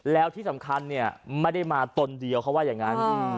แล้วที่สำคัญเนี่ยไม่ได้มาตนเดียวเขาว่าอย่างนั้น